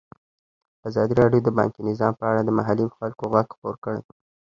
ازادي راډیو د بانکي نظام په اړه د محلي خلکو غږ خپور کړی.